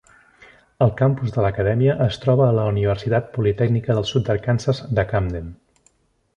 El campus de l'acadèmia es troba a la Universitat Politècnica del Sud d'Arkansas de Camden.